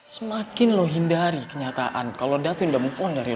semakin lo hindari kenyataan kalau davin udah mumpung dari lo